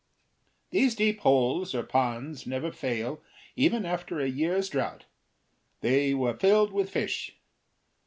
These deep holes or ponds never fail, even after a year's drought; they were filled with fish.